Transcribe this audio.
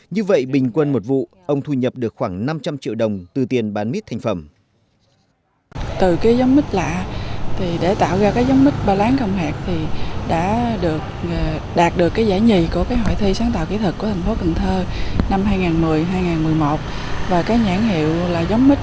như vậy bình quân một vụ ông thu nhập được khoảng năm trăm linh triệu đồng từ tiền bán mít thành phẩm